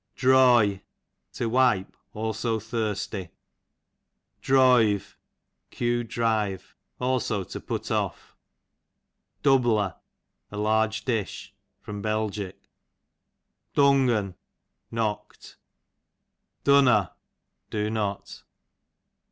Droy, to wipe, also thirsty. Droy ve, q. drive ; also to put off. Dubbler, a large dish, Bel. Dungn, Jmocked. Dunnaw, do not.